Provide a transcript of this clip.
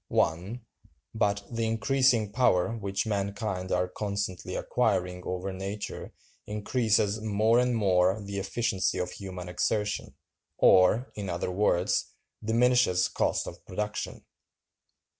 (1.) But the increasing power which mankind are constantly acquiring over nature increases more and more the efficiency of human exertion, or, in other words, diminishes cost of production.